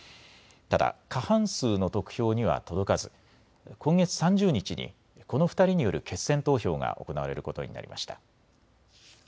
ただ過半数の得票には届かず今月３０日にこの２人による決選投票が行われることになりました。